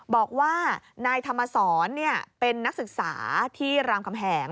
บอกว่านายธรรมสรเป็นนักศึกษาที่รามคำแหง